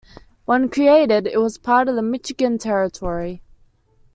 When created, it was part of the Michigan Territory.